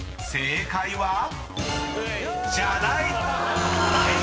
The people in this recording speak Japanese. ［正解は⁉］